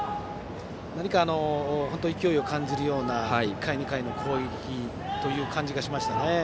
何か勢いを感じるような１回、２回の攻撃という感じがしましたね。